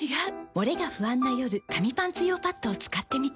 モレが不安な夜紙パンツ用パッドを使ってみた。